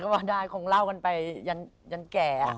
ก็ว่าได้คงเล่ากันไปยันแก่